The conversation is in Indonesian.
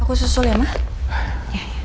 aku susul ya mah